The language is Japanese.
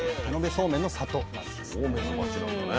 そうめんの町なんだね。